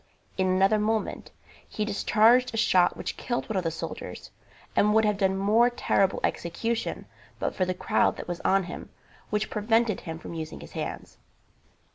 In another moment he discharged a shot which killed one of the soldiers, and would have done more terrible execution but for the crowd that was on him, which prevented him from using his hands.